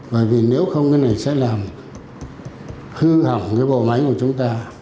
bởi vì nếu không cái này sẽ làm hư hỏng cái bộ máy của chúng ta